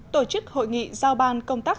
tổ chức hội nghị giao ban công tác